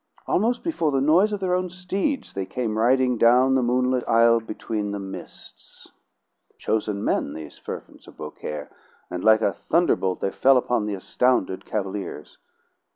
Almost before the noise of their own steeds they came riding down the moonlit aisle between the mists. Chosen men, these servants of Beaucaire, and like a thunderbolt they fell upon the astounded cavaliers.